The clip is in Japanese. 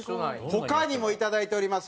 他にもいただいております。